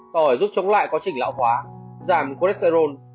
tỏi giúp chống lại quá trình lão hóa giảm cholesterol